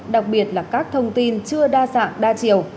đặc biệt là các thông tin chưa đa dạng đa chiều